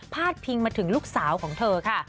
ดพิงมาถึงลูกสาวของเธอค่ะ